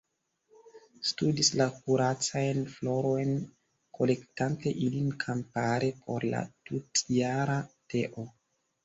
Studis la kuracajn florojn, kolektante ilin kampare por la tutjara teo.